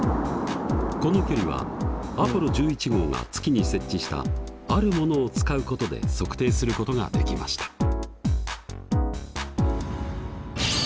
この距離はアポロ１１号が月に設置した「あるもの」を使うことで測定することができました。